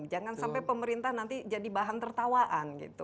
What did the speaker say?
jangan sampai pemerintah nanti jadi bahan tertawaan gitu